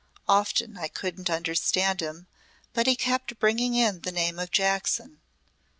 Often I couldn't understand him, but he kept bringing in the name of Jackson.